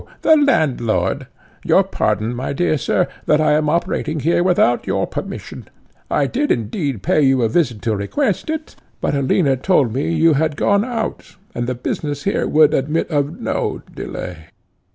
the landlord. Your pardon, my dear sir, that I am operating here without your permission; I did indeed pay you a visit to request it, but Alina told me you had gone out, and the business here would admit of no delay."